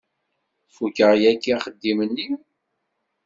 Fukeɣ yagi axeddim-nni.